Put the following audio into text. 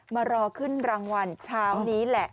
มารอขึ้นรางวัลเช้านี้แหละ